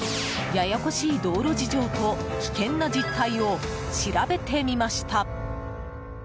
ややこしい道路事情と危険な実態を調べてみました。